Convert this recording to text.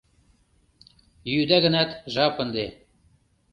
Йӱыда гынат, жап ынде.